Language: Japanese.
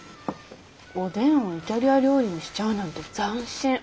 おでんをイタリア料理にしちゃうなんて斬新！